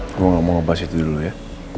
gue gak mau ngebahas itu dulu ya